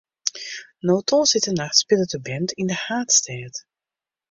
No tongersdeitenacht spilet de band yn de haadstêd.